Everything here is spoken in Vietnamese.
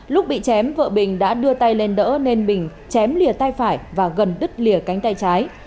lúc bị chém vợ bình đã đưa tay lên đỡ nên bình chém lìa tay phải và gần đứt lìa cánh tay trái